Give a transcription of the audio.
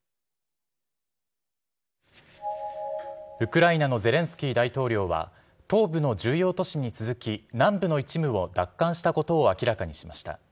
ウクライナのゼレンスキー大統領は、東部の重要都市に続き、南部の一部を奪還したことを明らかにしました。